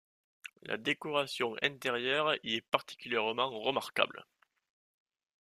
La décoration intérieure y est particulièrement remarquable.